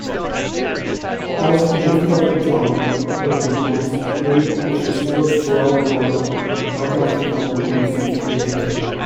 As Leafcutter John, Burton has played at festivals throughout Europe, North Africa, and Australia.